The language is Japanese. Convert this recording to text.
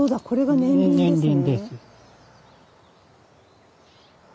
年輪です。